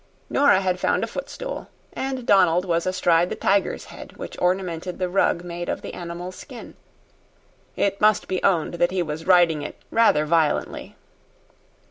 Nora had found a footstool, and Donald was astride the tiger's head which ornamented the rug made of the animal's skin. It must be owned that he was riding it rather violently.